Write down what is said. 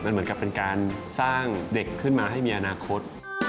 เหมือนกับเป็นการสร้างเด็กขึ้นมาให้มีอนาคต